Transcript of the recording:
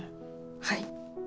はい。